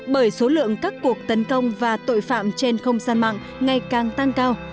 bởi số lượng các cuộc tấn công và tội phạm trên không gian mạng ngày càng tăng cao